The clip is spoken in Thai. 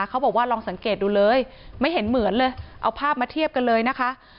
เขาบอกว่าลองสังเกตดูเลยไม่เห็นเหมือนเลยเอาภาพมาเทียบกันเลยนะคะ